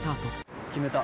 「決めた」